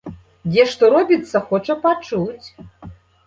Дзе што робіцца, хоча пачуць.